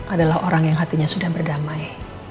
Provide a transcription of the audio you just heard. adalah orang yang hatinya sudah berdamai